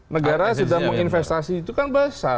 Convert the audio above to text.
negara sedang investasi itu kan besar